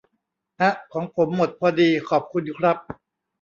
อ๊ะ ของผมหมดพอดี ขอบคุณครับ